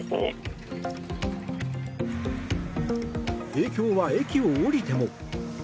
影響は駅を降りても。